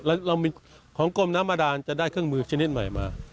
แล้วของกรมน้ำบาดานจะได้เครื่องมือชนิดใหม่มา